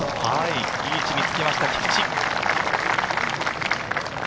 いい位置につけました、菊地。